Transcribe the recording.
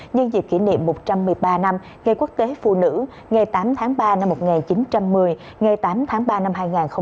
nhân dịp kỷ niệm một trăm một mươi ba năm ngày quốc tế phụ nữ ngày tám tháng ba năm một nghìn chín trăm một mươi ngày tám tháng ba năm hai nghìn hai mươi